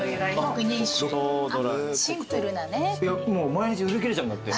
毎日売り切れちゃうんだって。